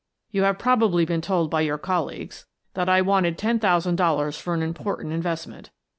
You have probably been told by your — colleagues that I wanted ten thousand dollars for an important investment.